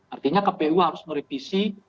artinya kpu harus merevisi